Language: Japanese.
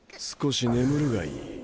少し眠るがいい。